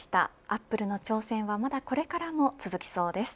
アップルの挑戦はまだこれからも続きそうです。